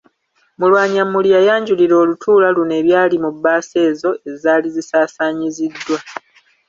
Mulwanyammuli yayanjulira olutuula luno ebyali mu bbaasa ezo ezaali zisaasanyiziddwa.